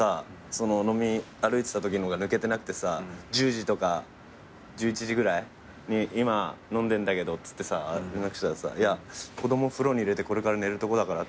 その飲み歩いてたときのが抜けてなくてさ１０時とか１１時ぐらいに今飲んでんだけどっつってさ連絡したらさ「いや子供風呂に入れてこれから寝るところだから」